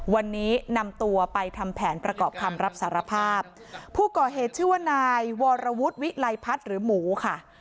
วันนี้นำตัวไปทำแผนประกอบคำรับสารภาพผู้ก่อเหตุชื่อว่านายวรวุฒิวิลัยพัฒน์หรือหมูค่ะ